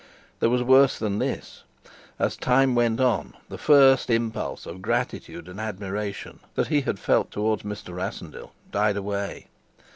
There was worse than this. As time went on, the first impulse of gratitude and admiration that he had felt towards Mr. Rassendyll died away.